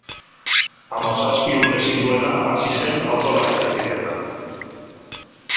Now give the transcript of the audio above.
Hamazazpi urte zituela hasi zen auto-lasterketetan.